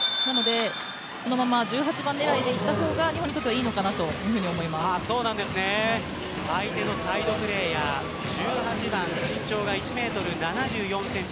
このまま１８番狙いでいった方が日本にとってはいいのかなと相手のサイドプレーヤー１８番、身長が１ｍ７４ｃｍ